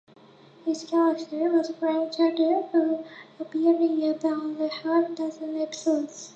His character was Frank Crutcher, who appeared in about a half dozen episodes.